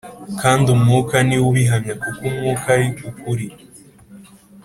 kandi Umwuka ni we ubihamya, kuko Umwuka ari ukuri